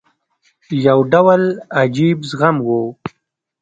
یو ډول عجیب زغم وو.